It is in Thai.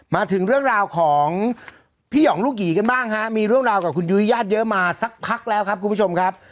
มาถึงเรื่องราวของพี่หองลูกหยีกันบ้างฮะมีเรื่องราวกับคุณยุ้ยญาติเยอะมาสักพักแล้วครับคุณผู้ชมครับ